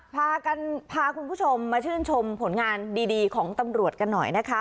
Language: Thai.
พากันพาคุณผู้ชมมาชื่นชมผลงานดีของตำรวจกันหน่อยนะคะ